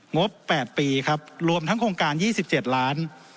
งบ๘ปีครับรวมทั้งโครงการ๒๗ล้าน